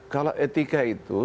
kalau etika itu